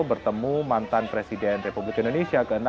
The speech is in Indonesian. bertemu mantan presiden republik indonesia ke enam